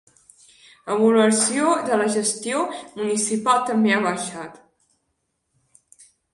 La valoració de la gestió municipal també ha baixat.